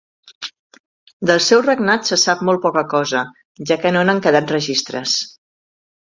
Del seu regnat se sap molt poca cosa, ja que no n'han quedat registres.